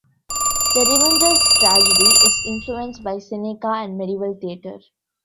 "The Revenger's Tragedy" is influenced by Seneca and Medieval theatre.